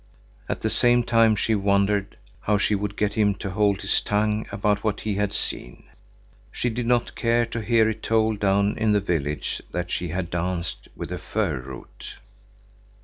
At the same time she wondered how she would get him to hold his tongue about what he had seen. She did not care to hear it told down in the village that she had danced with a fir root.